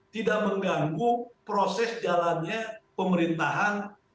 tidak mengganggu proses jalannya pemerintahan di sisa kedua tahun